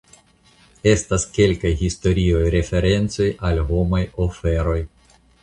Estas kelkaj historiaj referencoj al homaj oferoj.